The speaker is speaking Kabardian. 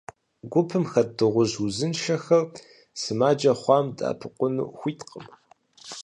Гупым хэт дыгъужь узыншэхэр сымаджэ хъуам дэӏэпыкъуну хуиткъым.